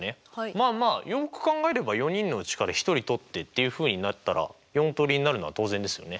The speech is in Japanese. まあまあよく考えれば４人のうちから１人とってっていうふうになったら４通りになるのは当然ですよね。